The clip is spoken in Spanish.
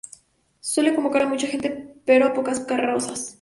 Suelen convocar a mucha gente pero a pocas carrozas.